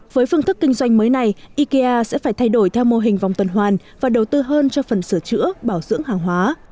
với phương thức kinh doanh mới này ikea sẽ phải thay đổi theo mô hình vòng tuần hoàn và đầu tư hơn cho phần sửa chữa bảo dưỡng hàng hóa